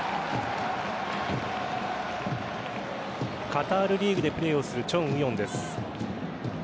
カタールリーグでプレーをするチョン・ウヨンです。